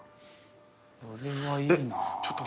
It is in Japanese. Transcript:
これはいいな。